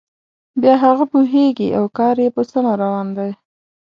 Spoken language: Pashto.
بیا هغه پوهیږي او کار یې په سمه روان دی.